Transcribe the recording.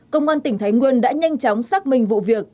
công an tỉnh thái nguyên đã nhanh chóng xác minh vụ việc